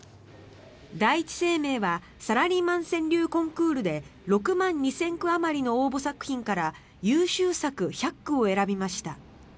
第一生命はサラリーマン川柳コンクールで６万２０００句あまりの応募作品から優秀作１００句を選びました。